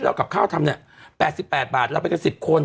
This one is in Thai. กับข้าวทำเนี่ย๘๘บาทเราไปกัน๑๐คน